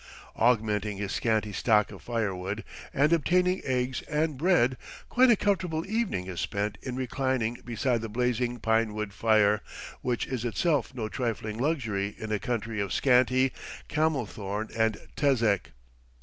Augmenting his scanty stock of firewood and obtaining eggs and bread, quite a comfortable evening is spent in reclining beside the blazing pine wood fire, which is itself no trifling luxury in a country of scanty camel thorn and tezek.